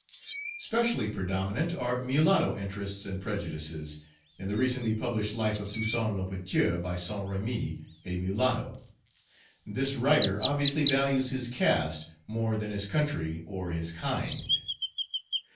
Specially predominant are mulatto interests and prejudices, in the recently published Life of Toussaint L'Ouverture, by SAINT REMY, a mulatto: this writer obviously values his caste more than his country or his kind."